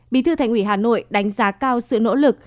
bí thư thành ủy hà nội đánh giá cao sự nỗ lực